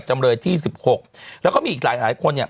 จำเลยที่๑๖แล้วก็มีอีกหลายคนเนี่ย